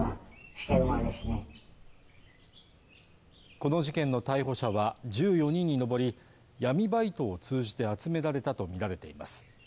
この事件の逮捕者は１４人に上り、闇バイトを通じて集められたとみられています。